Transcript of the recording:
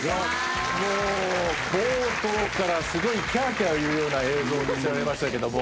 もう冒頭から垢瓦キャキャ言うような映像を見せられましたけども。